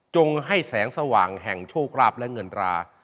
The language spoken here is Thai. ให้แสงสว่างแห่งโชคราบและเงินรา